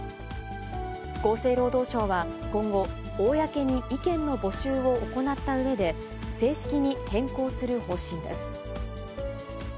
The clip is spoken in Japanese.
厚生労働省は、今後、公に意見の募集を行ったうえで、正式に変更する方針です。